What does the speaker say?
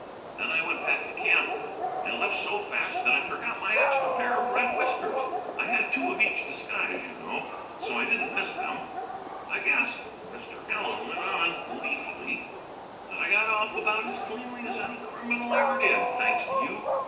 Then I went back to camp, and left so fast that I forgot my extra pair of red whiskers. I had two of each disguise, you know, so I didn't miss them. "'I guess,' Mr. Allen went on, gleefully, 'that I got off about as cleanly as any criminal ever did, thanks to you.